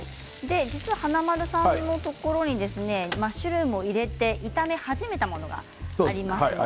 華丸さんのところにマッシュルームを入れて炒め始めたものがあります。